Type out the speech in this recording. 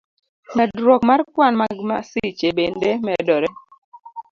Medruok mar kwan mag masiche bende medore.